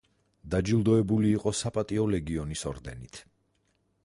დაჯილდოებული იყო საპატიო ლეგიონის ორდენით.